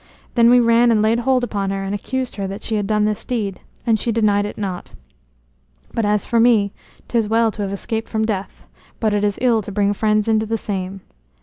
Then we ran and laid hold upon her and accused her that she had done this deed; and she denied it not. But as for me, 'tis well to have escaped from death, but it is ill to bring friends into the same.